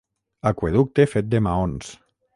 Aqüeducte fet de maons.